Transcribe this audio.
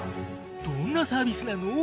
どんなサービスなの？